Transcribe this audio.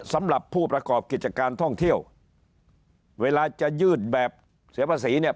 สำหรับผู้ประกอบกิจการท่องเที่ยวเวลาจะยืดแบบเสียภาษีเนี่ย